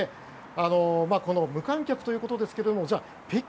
無観客ということですが北京、